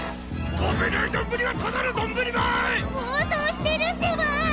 暴走してるってば！